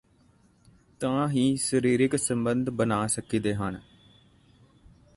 ਤਾਂ ਹੀ ਸਰੀਰਕ ਸਬੰਧ ਬੱਣਾ ਸਕੀਦੇ ਹਨ